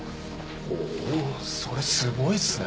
ほうそれすごいっすね